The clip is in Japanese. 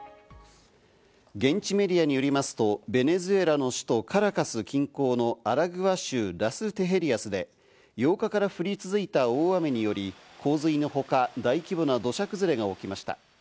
現地メディアによりますとベネズエラの首都カラカス近郊のアラグア州ラステヘリアスで、８日から降り続いた大雨により洪水のほか、大規模な土砂崩れが起きました。